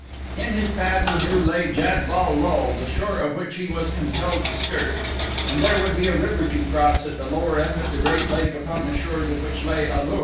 In his path he knew lay Jad bal lul, the shore of which he was compelled to skirt, and there would be a river to cross at the lower end of the great lake upon the shores of which lay A lur.